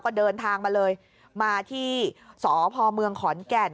ก็เดินทางมาเลยมาที่สพเมืองขอนแก่น